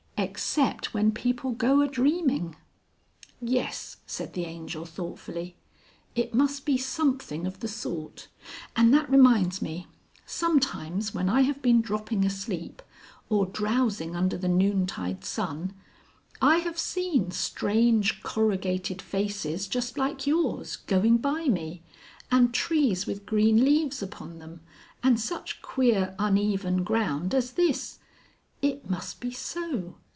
"Except when people go a dreaming!" "Yes," said the Angel thoughtfully. "It must be something of the sort. And that reminds me. Sometimes when I have been dropping asleep, or drowsing under the noon tide sun, I have seen strange corrugated faces just like yours, going by me, and trees with green leaves upon them, and such queer uneven ground as this.... It must be so.